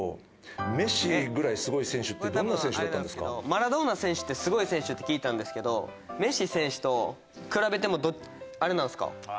マラドーナ選手ってすごい選手って聞いたんですけどメッシ選手と比べてもあれなんですか？